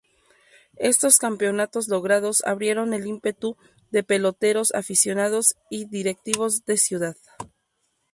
Estos campeonatos logrados abrieron el ímpetu de peloteros, aficionados y directivos de Cd.